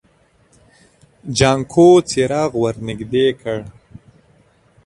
جانکو څراغ ور نږدې کړ.